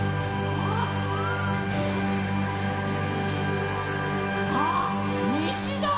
ああっにじだ！